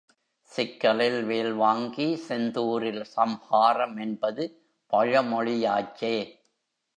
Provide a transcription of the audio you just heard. சிக்கலில் வேல் வாங்கி செந்தூரில் சம்ஹாரம் என்பது பழமொழியாச்சே.